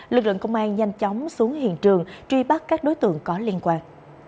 lực lượng công an nhanh chóng xuống hiện trường truy bắt các đối tượng có liên quan